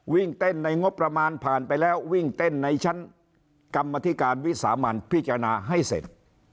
วิ่งเต้นในงบประมาณผ่านไปแล้ววิ่งเต้นในชั้นกรรมธิการวิสามันพิจารณาให้เสร็จ